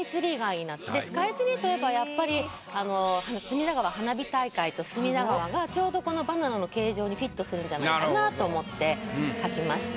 でスカイツリーといえばやっぱり隅田川花火大会と隅田川がちょうどこのバナナの形状にフィットするんじゃないかなと思って描きました。